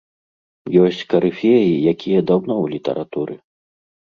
Ёсць карыфеі, якія даўно ў літаратуры.